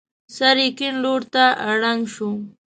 سر يې کيڼ لور ته ړنګ شو.